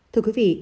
thưa quý vị